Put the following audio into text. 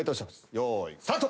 用意スタート。